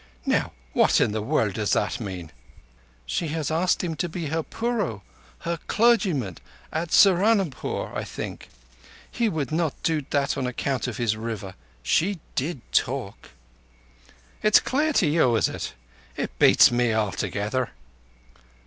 _' Now what in the world does that mean?" "She has asked him to be her puro—her clergyman—at Saharunpore, I think. He would not do that on account of his River. She did talk." "It's clear to you, is it? It beats me altogether.